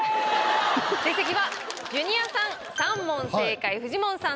成績はジュニアさん３問正解フジモンさん